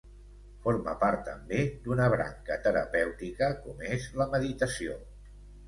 Forma part també d'una branca terapèutica com és la meditació.